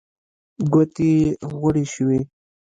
ګوتې يې غوړې شوې.